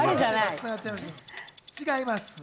違います。